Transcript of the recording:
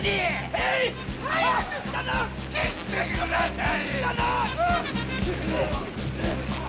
早く消してください！